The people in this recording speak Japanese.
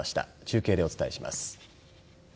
中継でお伝えします。